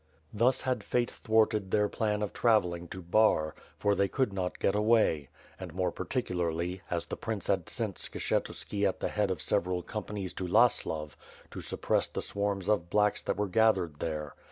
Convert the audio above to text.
Thus had fate thwarted their plan of travelling to Bar, for they could not get away; and, more particularly, as the prince had sent Skshetuski at the head of several companies to Laslav, to suppress the swarms of ^Hblacks" that were gath ered there.